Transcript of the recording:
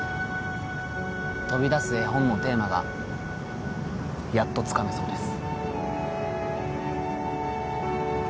飛び出す絵本のテーマがやっとつかめそうです